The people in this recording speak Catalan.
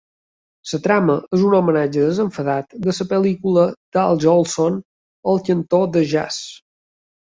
La trama és un homenatge desenfadat de la pel·lícula d'Al Jolson "El cantor de jazz".